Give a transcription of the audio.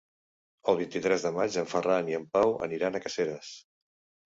El vint-i-tres de maig en Ferran i en Pau aniran a Caseres.